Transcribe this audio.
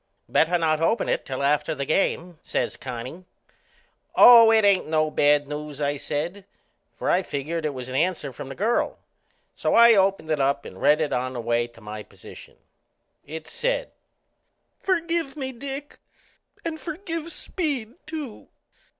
"Better not open it till after the game," says Connie. "Oh, no; it ain't no bad news," I said, for I figured it was an answer from the girl. So I opened it up and read it on the way to my position. It said: "Forgive me, Dick and forgive Speed too.